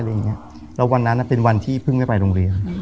แล้ววันนั้นเป็นวันที่เพิ่งไม่ไปโรงเรียน